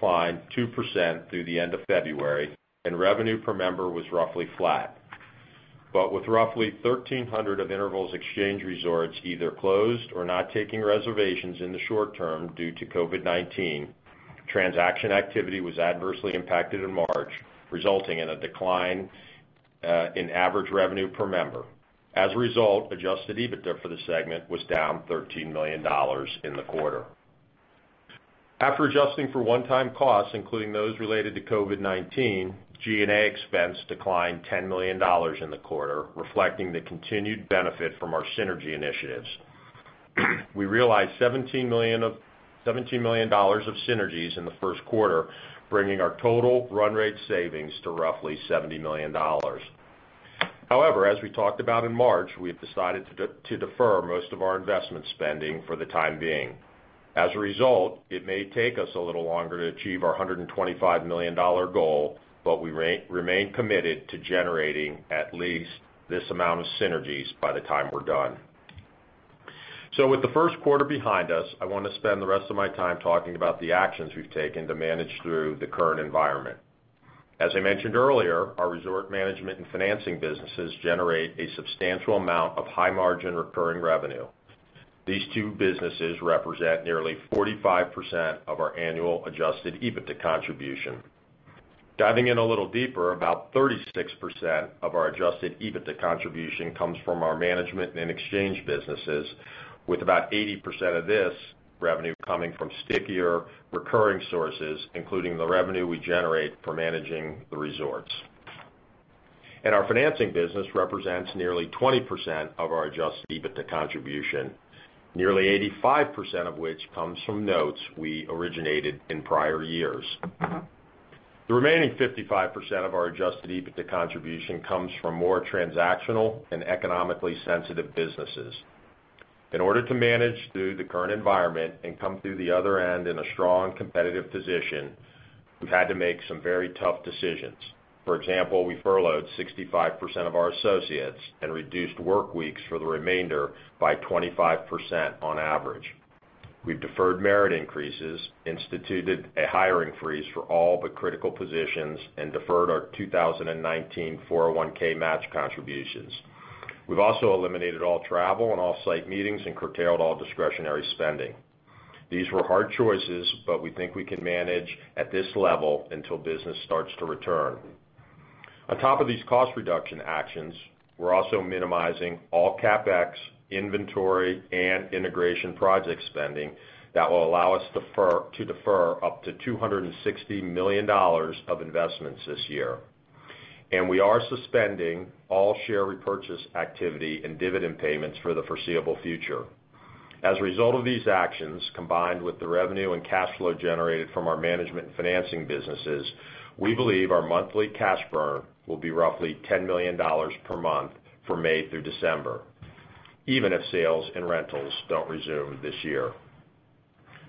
Declined 2% through the end of February, and revenue per member was roughly flat. With roughly 1,300 of Interval's exchange resorts either closed or not taking reservations in the short term due to COVID-19, transaction activity was adversely impacted in March, resulting in a decline in average revenue per member. As a result, adjusted EBITDA for the segment was down $13 million in the quarter. After adjusting for one-time costs, including those related to COVID-19, G&A expense declined $10 million in the quarter, reflecting the continued benefit from our synergy initiatives. We realized $17 million of synergies in the first quarter, bringing our total run rate savings to roughly $70 million. However, as we talked about in March, we have decided to defer most of our investment spending for the time being. As a result, it may take us a little longer to achieve our $125 million goal, but we remain committed to generating at least this amount of synergies by the time we're done. With the first quarter behind us, I want to spend the rest of my time talking about the actions we've taken to manage through the current environment. As I mentioned earlier, our resort management and financing businesses generate a substantial amount of high-margin recurring revenue. These two businesses represent nearly 45% of our annual adjusted EBITDA contribution. Diving in a little deeper, about 36% of our adjusted EBITDA contribution comes from our management and exchange businesses, with about 80% of this revenue coming from stickier recurring sources, including the revenue we generate for managing the resorts. Our financing business represents nearly 20% of our adjusted EBITDA contribution, nearly 85% of which comes from notes we originated in prior years. The remaining 55% of our adjusted EBITDA contribution comes from more transactional and economically sensitive businesses. In order to manage through the current environment and come through the other end in a strong competitive position, we've had to make some very tough decisions. For example, we furloughed 65% of our associates and reduced workweeks for the remainder by 25% on average. We've deferred merit increases, instituted a hiring freeze for all but critical positions, and deferred our 2019 401(k) match contributions. We've also eliminated all travel and off-site meetings and curtailed all discretionary spending. These were hard choices, but we think we can manage at this level until business starts to return. On top of these cost reduction actions, we're also minimizing all CapEx, inventory, and integration project spending that will allow us to defer up to $260 million of investments this year. We are suspending all share repurchase activity and dividend payments for the foreseeable future. As a result of these actions, combined with the revenue and cash flow generated from our management and financing businesses, we believe our monthly cash burn will be roughly $10 million per month from May through December, even if sales and rentals don't resume this year.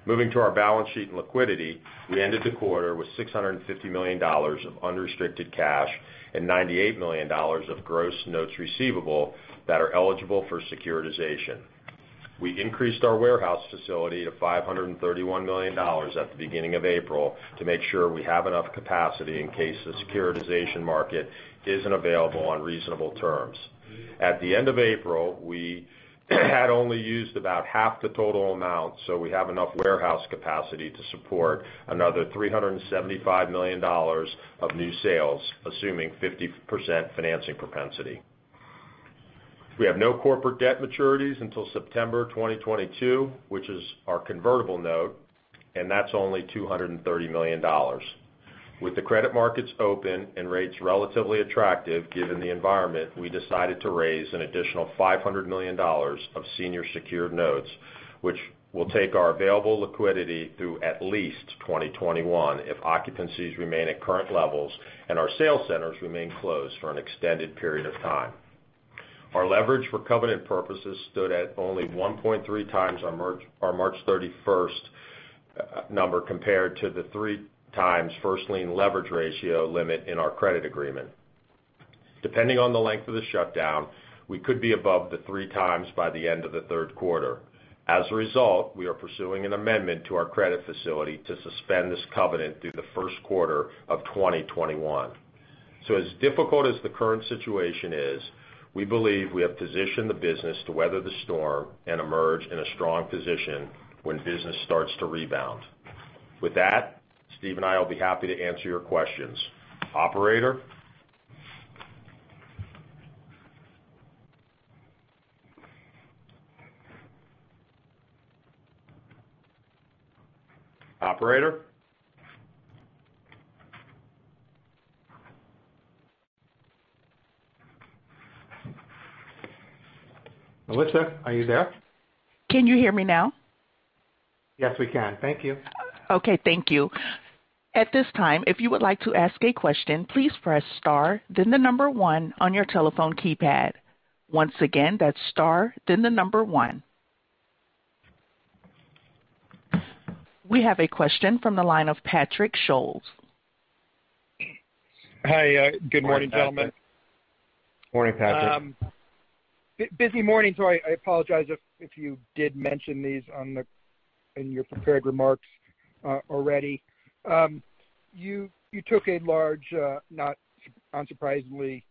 Moving to our balance sheet and liquidity, we ended the quarter with $650 million of unrestricted cash and $98 million of gross notes receivable that are eligible for securitization. We increased our warehouse facility to $531 million at the beginning of April to make sure we have enough capacity in case the securitization market isn't available on reasonable terms. At the end of April, we had only used about half the total amount, so we have enough warehouse capacity to support another $375 million of new sales, assuming 50% financing propensity. We have no corporate debt maturities until September 2022, which is our convertible note, and that's only $230 million. With the credit markets open and rates relatively attractive given the environment, we decided to raise an additional $500 million of senior secured notes, which will take our available liquidity through at least 2021 if occupancies remain at current levels and our sales centers remain closed for an extended period of time. Our leverage for covenant purposes stood at only 1.3x our March 31st number compared to the 3x first lien leverage ratio limit in our credit agreement. Depending on the length of the shutdown, we could be above the 3x by the end of the third quarter. As a result, we are pursuing an amendment to our credit facility to suspend this covenant through the first quarter of 2021. As difficult as the current situation is, we believe we have positioned the business to weather the storm and emerge in a strong position when business starts to rebound. With that, Steve and I will be happy to answer your questions. Operator? Operator? Melissa, are you there? Can you hear me now? Yes, we can. Thank you. Okay, thank you. At this time, if you would like to ask a question, please press star then the number one on your telephone keypad. Once again, that's star then the number one. We have a question from the line of Patrick Scholes. Hi, good morning, gentlemen. Morning, Patrick. Busy morning. I apologize if you did mention these in your prepared remarks already. You took a large, not unsurprisingly,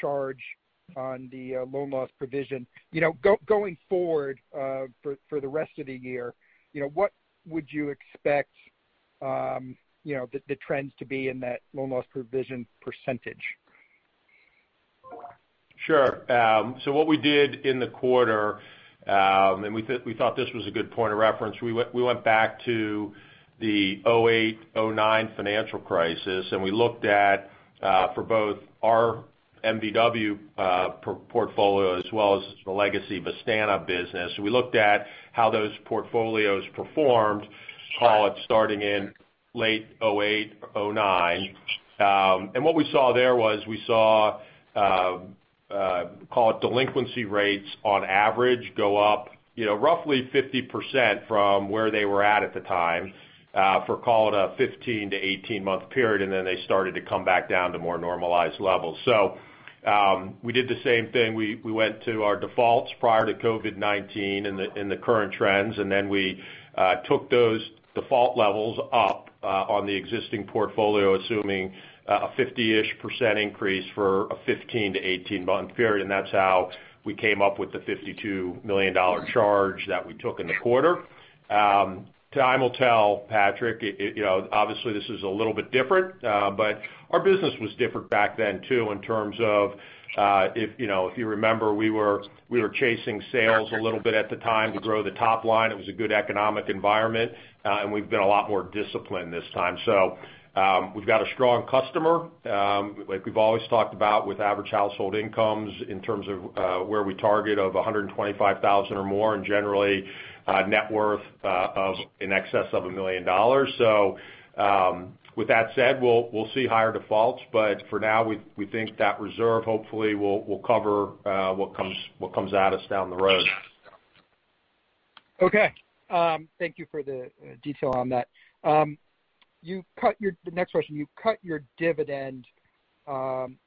charge on the loan loss provision. Going forward for the rest of the year, what would you expect the trends to be in that loan loss provision percentage? Sure. What we did in the quarter, and we thought this was a good point of reference. We went back to the 2008, 2009 financial crisis, and we looked at for both our MVW portfolio as well as the legacy Vistana business. We looked at how those portfolios performed, call it starting in late 2008 or 2009. What we saw there was, we saw call it delinquency rates on average, go up roughly 50% from where they were at at the time, for call it a 15-18 month period, and then they started to come back down to more normalized levels. We did the same thing. We went to our defaults prior to COVID-19 in the current trends, and then we took those default levels up on the existing portfolio, assuming a 50-ish% increase for a 15-18 month period. That's how we came up with the $52 million charge that we took in the quarter. Time will tell, Patrick. Obviously, this is a little bit different. Our business was different back then, too, in terms of, if you remember, we were chasing sales a little bit at the time to grow the top line. It was a good economic environment. We've been a lot more disciplined this time. We've got a strong customer, like we've always talked about, with average household incomes in terms of where we target of $125,000 or more, and generally, net worth of in excess of $1 million. With that said, we'll see higher defaults, but for now, we think that reserve hopefully will cover what comes at us down the road. Okay. Thank you for the detail on that. The next question. You cut your dividend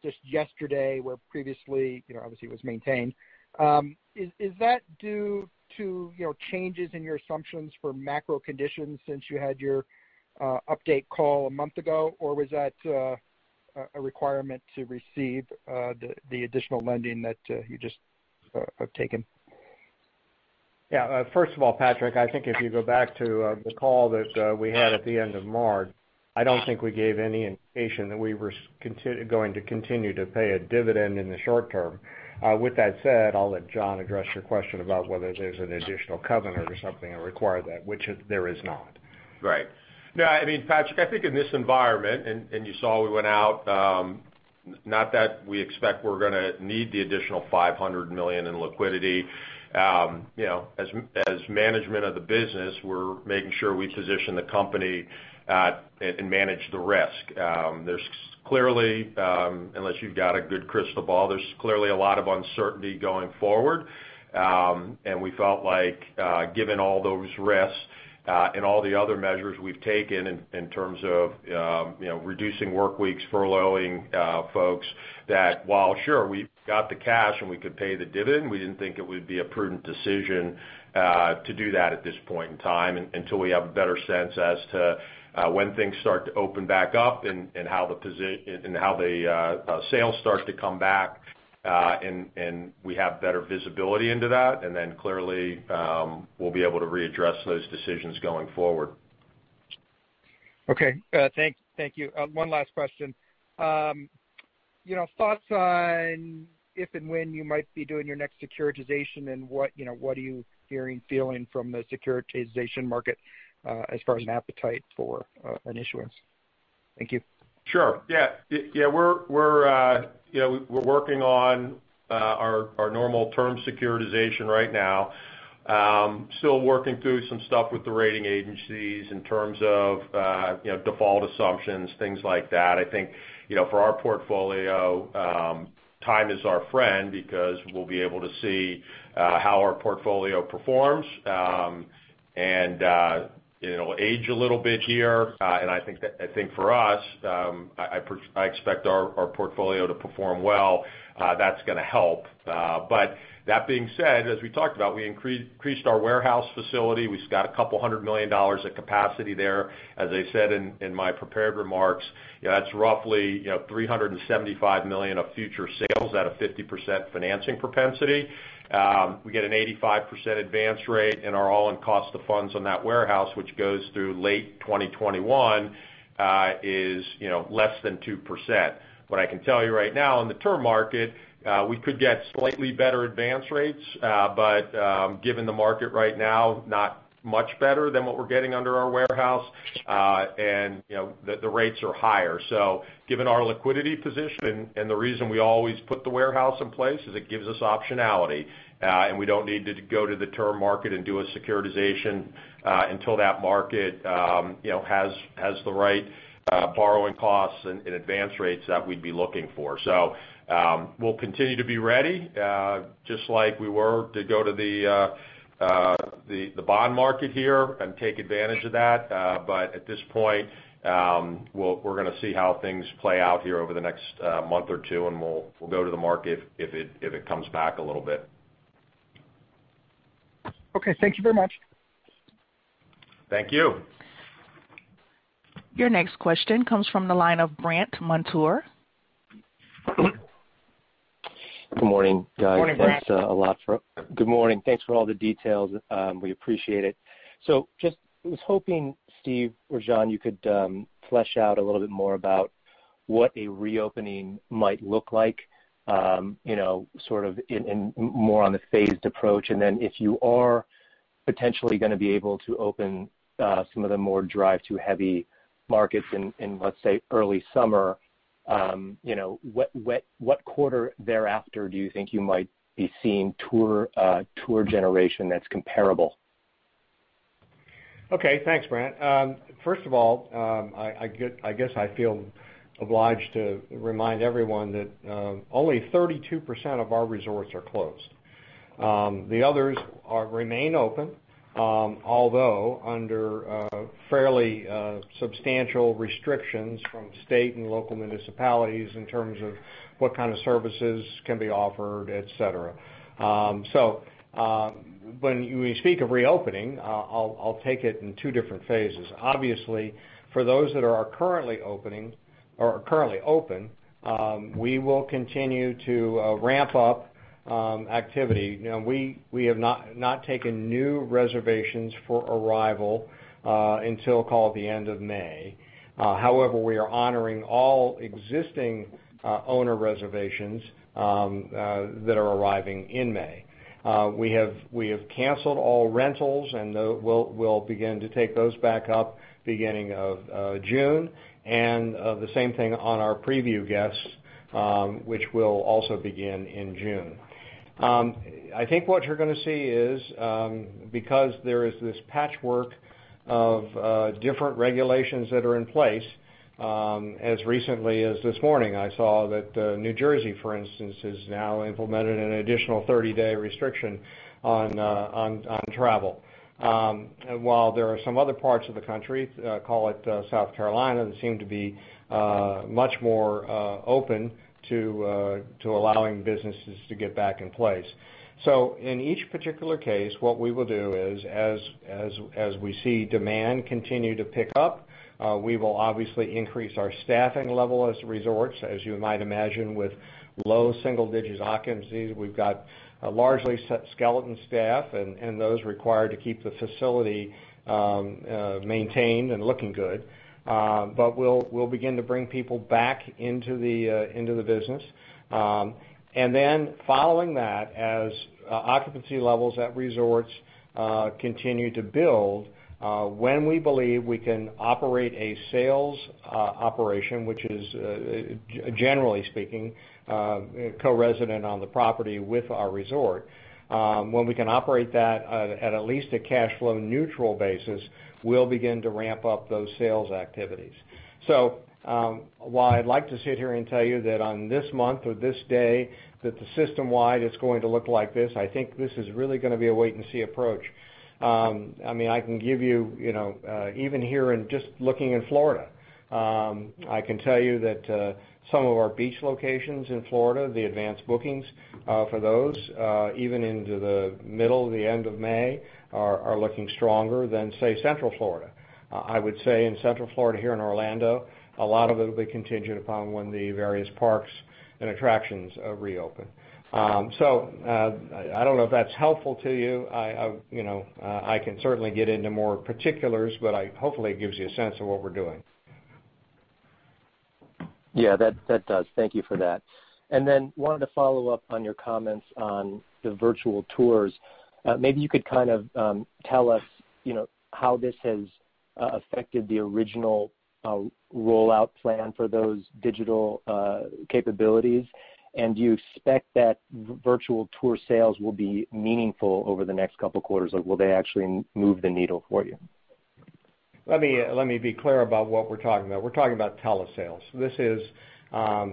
just yesterday, where previously, obviously it was maintained. Is that due to changes in your assumptions for macro conditions since you had your update call a month ago? Was that a requirement to receive the additional lending that you just have taken? First of all, Patrick, I think if you go back to the call that we had at the end of March, I don't think we gave any indication that we were going to continue to pay a dividend in the short term. With that said, I'll let John address your question about whether there's an additional covenant or something that require that, which there is not. Right. No, Patrick, I think in this environment, you saw we went out, not that we expect we're going to need the additional $500 million in liquidity. As management of the business, we're making sure we position the company and manage the risk. Unless you've got a good crystal ball, there's clearly a lot of uncertainty going forward. We felt like, given all those risks, and all the other measures we've taken in terms of reducing work weeks, furloughing folks, that while sure, we've got the cash and we could pay the dividend, we didn't think it would be a prudent decision to do that at this point in time until we have a better sense as to when things start to open back up and how the sales start to come back. We have better visibility into that, and then clearly, we'll be able to readdress those decisions going forward. Okay. Thank you. One last question. Thoughts on if and when you might be doing your next securitization and what are you hearing, feeling from the securitization market as far as an appetite for an issuance? Thank you. Sure. Yeah. We're working on our normal term securitization right now. Still working through some stuff with the rating agencies in terms of default assumptions, things like that. I think for our portfolio, time is our friend because we'll be able to see how our portfolio performs, and it'll age a little bit here. I think for us, I expect our portfolio to perform well. That's going to help. That being said, as we talked about, we increased our warehouse facility. We've got a couple hundred million dollars of capacity there. As I said in my prepared remarks, that's roughly $375 million of future sales at a 50% financing propensity. We get an 85% advance rate in our all-in cost of funds on that warehouse, which goes through late 2021, is less than 2%. What I can tell you right now, in the term market, we could get slightly better advance rates. Given the market right now, not much better than what we're getting under our warehouse. The rates are higher. Given our liquidity position and the reason we always put the warehouse in place is it gives us optionality. We don't need to go to the term market and do a securitization until that market has the right borrowing costs and advance rates that we'd be looking for. We'll continue to be ready, just like we were to go to the bond market here and take advantage of that. At this point, we're going to see how things play out here over the next month or two, and we'll go to the market if it comes back a little bit. Okay. Thank you very much. Thank you. Your next question comes from the line of Brandt Montour. Good morning, guys. Morning, Brandt. Good morning. Thanks for all the details. We appreciate it. Just was hoping, Steve or John, you could flesh out a little bit more about what a reopening might look like, sort of in more on the phased approach, and then if you are potentially going to be able to open some of the more drive-to heavy markets in, let's say, early summer. What quarter thereafter do you think you might be seeing tour generation that's comparable? Okay. Thanks, Brandt. First of all, I guess I feel obliged to remind everyone that only 32% of our resorts are closed. The others remain open although under fairly substantial restrictions from state and local municipalities in terms of what kind of services can be offered, et cetera. When we speak of reopening, I'll take it in two different phases. Obviously, for those that are currently open, we will continue to ramp up activity. We have not taken new reservations for arrival until, call it the end of May. However, we are honoring all existing owner reservations that are arriving in May. We have canceled all rentals, and we'll begin to take those back up beginning of June. The same thing on our preview guests, which will also begin in June. I think what you're going to see is because there is this patchwork of different regulations that are in place. As recently as this morning, I saw that New Jersey, for instance, has now implemented an additional 30-day restriction on travel. While there are some other parts of the country, call it South Carolina, that seem to be much more open to allowing businesses to get back in place. In each particular case, what we will do is as we see demand continue to pick up, we will obviously increase our staffing level as resorts, as you might imagine, with low single digits occupancies. We've got a largely skeleton staff and those required to keep the facility maintained and looking good. We'll begin to bring people back into the business. Following that, as occupancy levels at resorts continue to build, when we believe we can operate a sales operation, which is, generally speaking, co-resident on the property with our resort. When we can operate that at least a cash flow neutral basis, we'll begin to ramp up those sales activities. While I'd like to sit here and tell you that on this month or this day that the system-wide is going to look like this, I think this is really going to be a wait-and-see approach. I can give you, even here in just looking in Florida, I can tell you that some of our beach locations in Florida, the advanced bookings for those even into the middle or the end of May are looking stronger than, say, Central Florida. I would say in Central Florida here in Orlando, a lot of it will be contingent upon when the various parks and attractions reopen. I don't know if that's helpful to you. I can certainly get into more particulars, but hopefully it gives you a sense of what we're doing. Yeah, that does. Thank you for that. Wanted to follow up on your comments on the virtual tours. Maybe you could kind of tell us how this has affected the original rollout plan for those digital capabilities. Do you expect that virtual tour sales will be meaningful over the next couple of quarters, or will they actually move the needle for you? Let me be clear about what we're talking about. We're talking about telesales. This is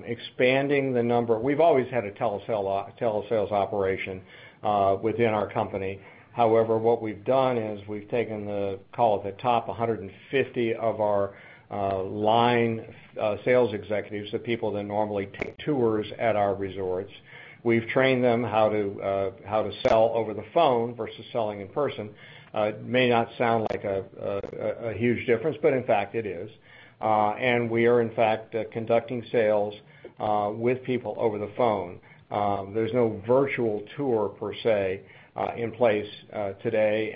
expanding the number. We've always had a telesales operation within our company. However, what we've done is we've taken the, call it the top 150 of our line sales executives, the people that normally take tours at our resorts. We've trained them how to sell over the phone versus selling in person. It may not sound like a huge difference, but in fact it is. We are in fact conducting sales with people over the phone. There's no virtual tour per se in place today.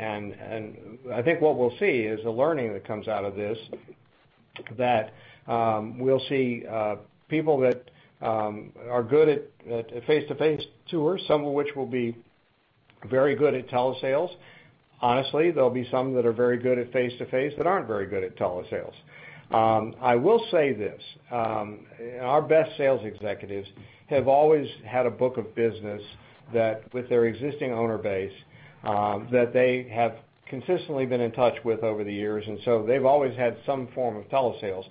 I think what we'll see is the learning that comes out of this, that we'll see people that are good at face-to-face tours, some of which will be very good at telesales. Honestly, there'll be some that are very good at face-to-face that aren't very good at telesales. I will say this. Our best sales executives have always had a book of business that with their existing owner base, that they have consistently been in touch with over the years and so they've always had some form of telesales.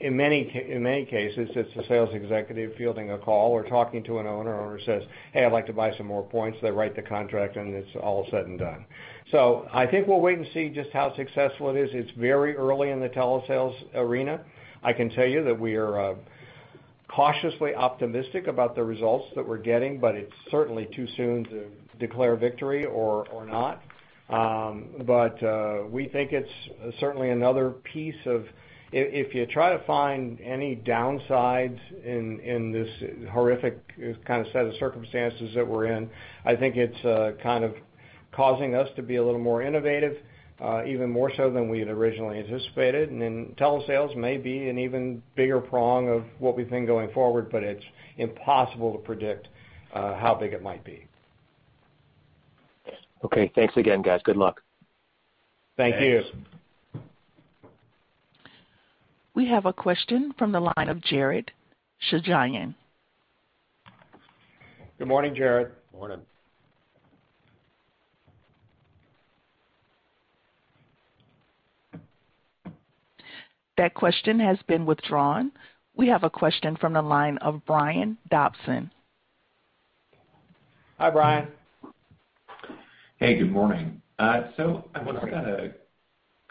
In many cases, it's the sales executive fielding a call or talking to an owner. Owner says, "Hey, I'd like to buy some more points." They write the contract and it's all said and done. I think we'll wait and see just how successful it is. It's very early in the telesales arena. I can tell you that we are cautiously optimistic about the results that we're getting, but it's certainly too soon to declare victory or not. We think it's certainly another piece of If you try to find any downsides in this horrific kind of set of circumstances that we're in, I think it's kind of causing us to be a little more innovative, even more so than we had originally anticipated. Telesales may be an even bigger prong of what we think going forward, but it's impossible to predict how big it might be. Okay. Thanks again, guys. Good luck. Thank you. Thanks. We have a question from the line of Jared Shojaian. Good morning, Jared. Morning. That question has been withdrawn. We have a question from the line of Brian Dobson. Hi, Brian. Hey, good morning. I've got a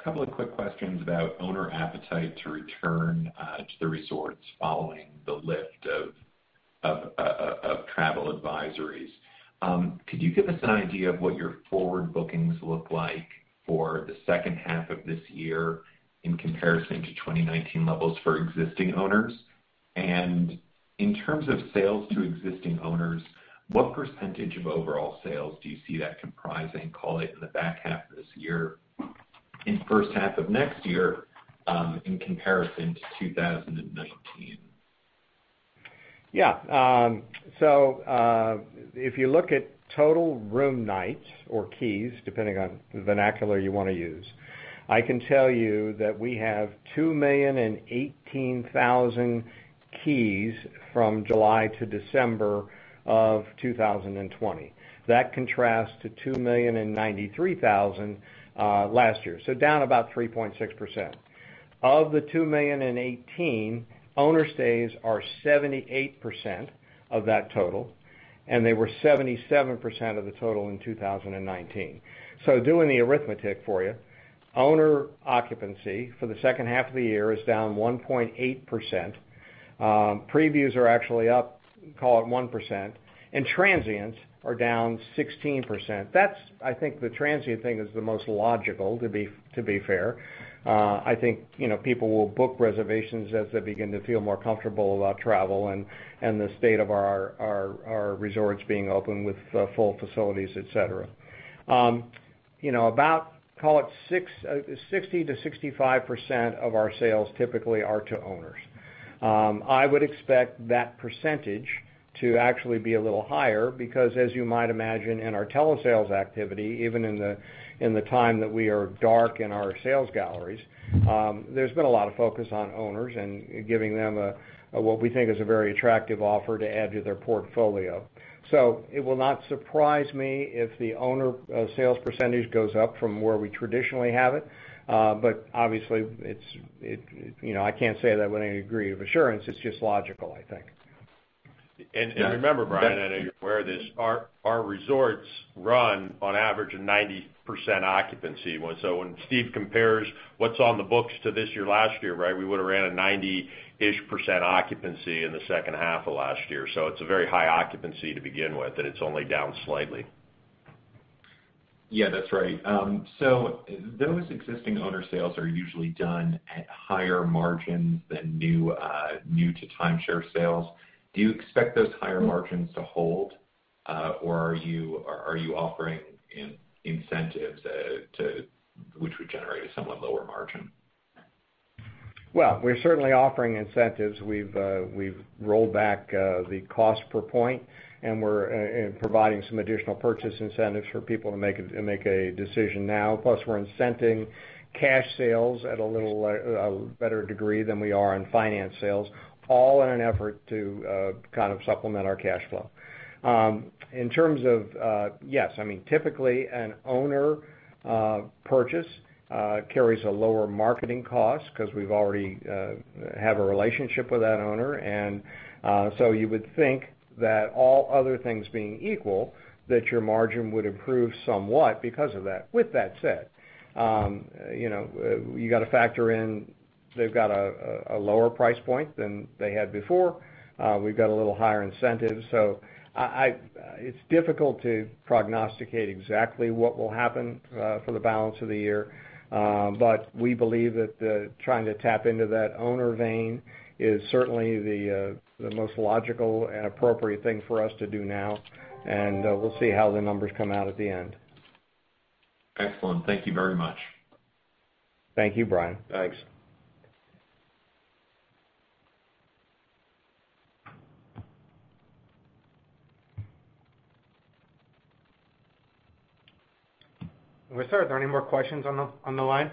couple of quick questions about owner appetite to return to the resorts following the lift of travel advisories. Could you give us an idea of what your forward bookings look like for the second half of this year in comparison to 2019 levels for existing owners? In terms of sales to existing owners, what percentage of overall sales do you see that comprising, call it, in the back half of this year, in the first half of next year, in comparison to 2019? Yeah. If you look at total room nights or keys, depending on the vernacular you want to use, I can tell you that we have 2,018,000 keys from July to December of 2020. That contrasts to 2,093,000 last year. Down about 3.6%. Of the 2,018,000, owner stays are 78% of that total, and they were 77% of the total in 2019. Doing the arithmetic for you, owner occupancy for the second half of the year is down 1.8%. Previews are actually up, call it 1%, and transients are down 16%. I think the transient thing is the most logical, to be fair. I think people will book reservations as they begin to feel more comfortable about travel and the state of our resorts being open with full facilities, et cetera. About, call it 60%-65% of our sales typically are to owners. I would expect that percentage to actually be a little higher because, as you might imagine, in our telesales activity, even in the time that we are dark in our sales galleries, there's been a lot of focus on owners and giving them what we think is a very attractive offer to add to their portfolio. It will not surprise me if the owner sales percentage goes up from where we traditionally have it. Obviously, I can't say that with any degree of assurance. It's just logical, I think. Remember, Brian, I know you're aware of this, our resorts run on average a 90% occupancy. When Steve compares what's on the books to this year, last year, we would have ran a 90-ish% occupancy in the second half of last year. It's a very high occupancy to begin with, and it's only down slightly. Yeah, that's right. Those existing owner sales are usually done at higher margins than new to timeshare sales. Do you expect those higher margins to hold? Are you offering incentives, which would generate a somewhat lower margin? Well, we're certainly offering incentives. We've rolled back the cost per point, and we're providing some additional purchase incentives for people to make a decision now. We're incenting cash sales at a little better degree than we are on finance sales, all in an effort to kind of supplement our cash flow. I mean, typically an owner purchase carries a lower marketing cost because we already have a relationship with that owner. You would think that all other things being equal, that your margin would improve somewhat because of that. With that said, you've got to factor in, they've got a lower price point than they had before. We've got a little higher incentive. It's difficult to prognosticate exactly what will happen for the balance of the year. We believe that trying to tap into that owner vein is certainly the most logical and appropriate thing for us to do now, and we'll see how the numbers come out at the end. Excellent. Thank you very much. Thank you, Brian. Thanks. Operator, are there any more questions on the line?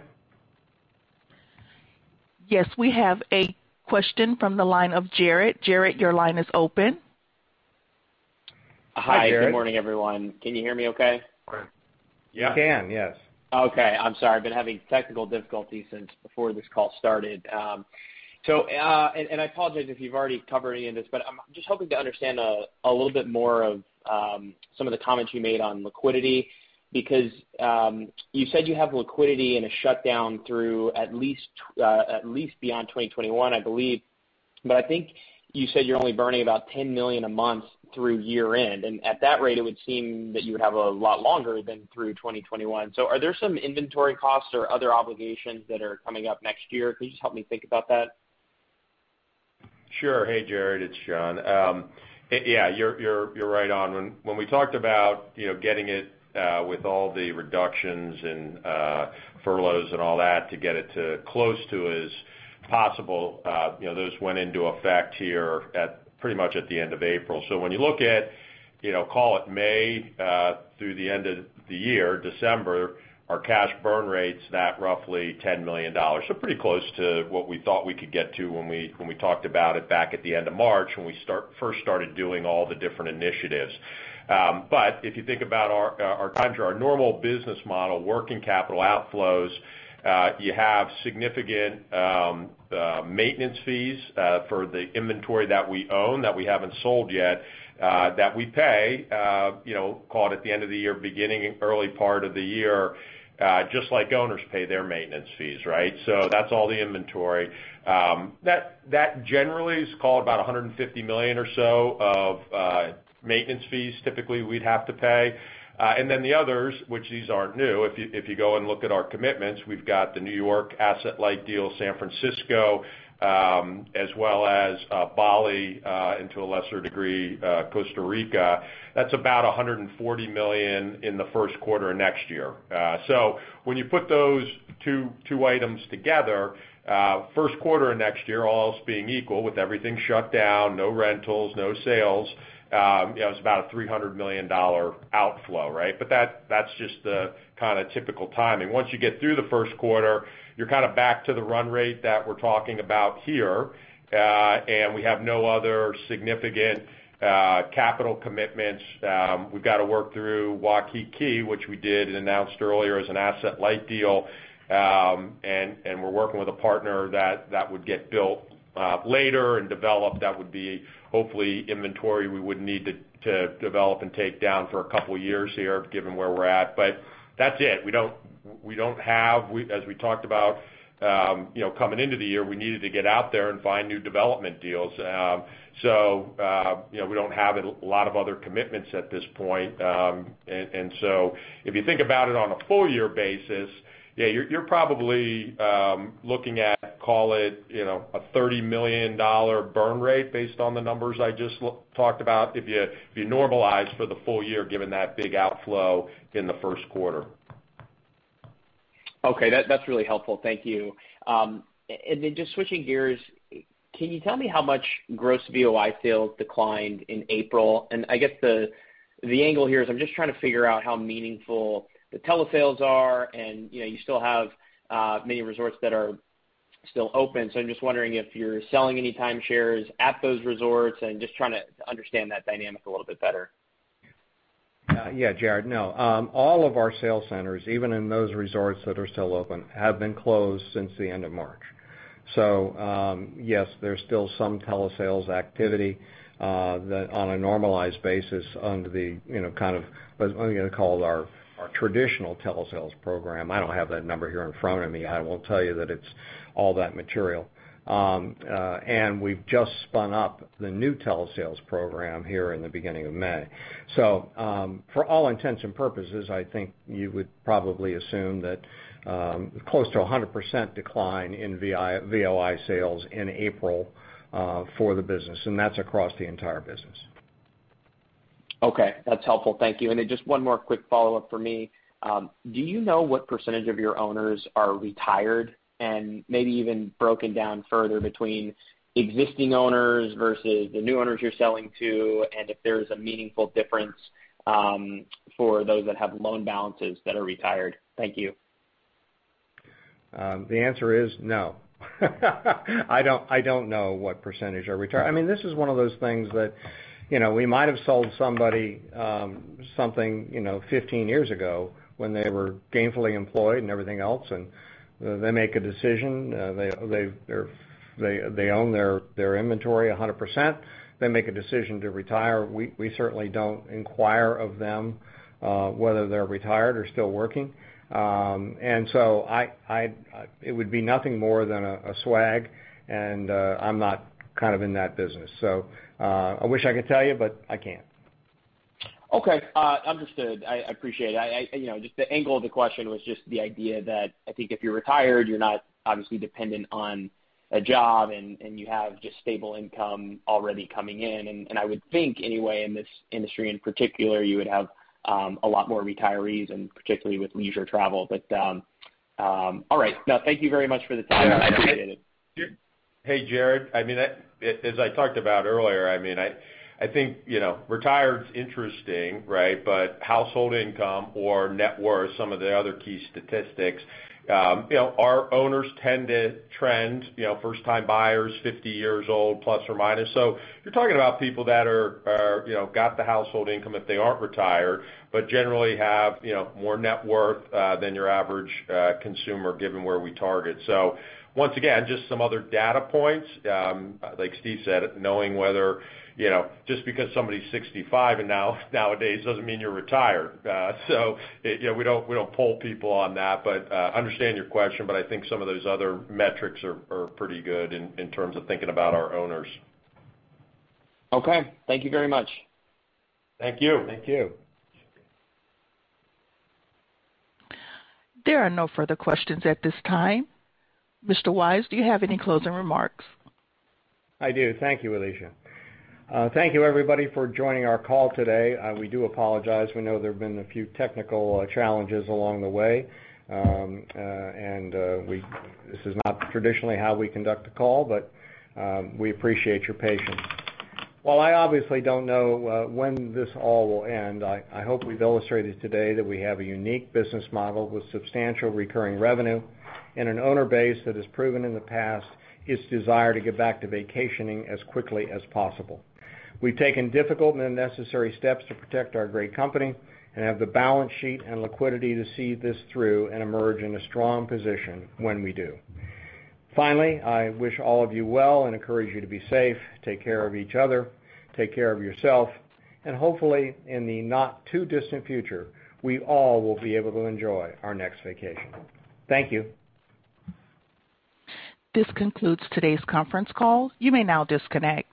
Yes, we have a question from the line of Jared. Jared, your line is open. Hi. Hi, Jared. Good morning, everyone. Can you hear me okay? Yeah. We can, yes. Okay. I'm sorry. I've been having technical difficulties since before this call started. I apologize if you've already covered any of this, but I'm just hoping to understand a little bit more of some of the comments you made on liquidity, because you said you have liquidity in a shutdown through at least beyond 2021, I believe. I think you said you're only burning about $10 million a month through year-end. At that rate, it would seem that you would have a lot longer than through 2021. Are there some inventory costs or other obligations that are coming up next year? Can you just help me think about that? Sure. Hey, Jared, it's John. Yeah, you're right on. When we talked about getting it with all the reductions and furloughs and all that to get it to close to as possible, those went into effect here pretty much at the end of April. When you look at call it May through the end of the year, December, our cash burn rate's at roughly $10 million. Pretty close to what we thought we could get to when we talked about it back at the end of March, when we first started doing all the different initiatives. If you think about our timeshare, our normal business model, working capital outflows, you have significant maintenance fees for the inventory that we own, that we haven't sold yet, that we pay, call it at the end of the year, beginning early part of the year, just like owners pay their maintenance fees, right? That's all the inventory. That generally is called about $150 million or so of maintenance fees, typically we'd have to pay. Then the others, which these aren't new, if you go and look at our commitments, we've got the New York asset-light deal, San Francisco, as well as Bali, and to a lesser degree, Costa Rica. That's about $140 million in the first quarter of next year. When you put those two items together, first quarter of next year, all else being equal, with everything shut down, no rentals, no sales, it's about a $300 million outflow. That's just the kind of typical timing. Once you get through the first quarter, you're kind of back to the run rate that we're talking about here. We have no other significant capital commitments. We've got to work through Waikiki, which we did and announced earlier as an asset-light deal. We're working with a partner that would get built later and develop that would be hopefully inventory we wouldn't need to develop and take down for a couple of years here, given where we're at. That's it. As we talked about coming into the year, we needed to get out there and find new development deals. We don't have a lot of other commitments at this point. If you think about it on a full year basis, yeah, you're probably looking at, call it, a $30 million burn rate based on the numbers I just talked about, if you normalize for the full year, given that big outflow in the first quarter. Okay. That's really helpful. Thank you. Just switching gears, can you tell me how much gross VOI sales declined in April? I guess the angle here is I'm just trying to figure out how meaningful the telesales are and you still have many resorts that are still open. I'm just wondering if you're selling any timeshares at those resorts and just trying to understand that dynamic a little bit better. Jared, no. All of our sales centers, even in those resorts that are still open, have been closed since the end of March. Yes, there's still some telesales activity that on a normalized basis under the kind of, I'm going to call it our traditional telesales program. I don't have that number here in front of me. I will tell you that it's all that material. We've just spun up the new telesales program here in the beginning of May. For all intents and purposes, I think you would probably assume that close to 100% decline in VOI sales in April for the business, and that's across the entire business. Okay. That's helpful. Thank you. Just one more quick follow-up for me. Do you know what percentage of your owners are retired and maybe even broken down further between existing owners versus the new owners you're selling to? If there is a meaningful difference for those that have loan balances that are retired. Thank you. The answer is no. I don't know what percentage are retired. This is one of those things that we might have sold somebody something 15 years ago when they were gainfully employed and everything else, and they make a decision. They own their inventory 100%. They make a decision to retire. We certainly don't inquire of them whether they're retired or still working. It would be nothing more than a swag, and I'm not in that business. I wish I could tell you, but I can't. Okay. Understood. I appreciate it. Just the angle of the question was just the idea that I think if you're retired, you're not obviously dependent on a job, and you have just stable income already coming in. I would think, anyway, in this industry in particular, you would have a lot more retirees and particularly with leisure travel. All right. No, thank you very much for the time. I appreciate it. Hey, Jared. As I talked about earlier, I think retired is interesting, but household income or net worth, some of the other key statistics. Our owners tend to trend first time buyers, 50 years old, plus or minus. You're talking about people that got the household income if they aren't retired, but generally have more net worth than your average consumer, given where we target. Once again, just some other data points. Like Steve said, knowing whether just because somebody's 65 nowadays doesn't mean you're retired. We don't poll people on that, but I understand your question, but I think some of those other metrics are pretty good in terms of thinking about our owners. Okay. Thank you very much. Thank you. Thank you. There are no further questions at this time. Mr. Weisz, do you have any closing remarks? I do. Thank you, Alicia. Thank you everybody for joining our call today. We do apologize. We know there have been a few technical challenges along the way. This is not traditionally how we conduct a call, but we appreciate your patience. While I obviously don't know when this all will end, I hope we've illustrated today that we have a unique business model with substantial recurring revenue and an owner base that has proven in the past its desire to get back to vacationing as quickly as possible. We've taken difficult and necessary steps to protect our great company and have the balance sheet and liquidity to see this through and emerge in a strong position when we do. I wish all of you well and encourage you to be safe, take care of each other, take care of yourself, and hopefully in the not too distant future, we all will be able to enjoy our next vacation. Thank you. This concludes today's conference call. You may now disconnect.